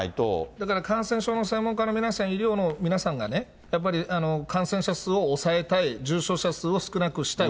だから、感染症の専門家の皆さん、医療の皆さんがね、やっぱり感染者数を抑えたい、重症者数を少なくしたい。